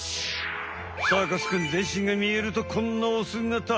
サーカスくんぜんしんがみえるとこんなおすがた。